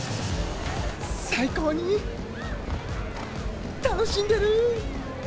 最高に楽しんでる！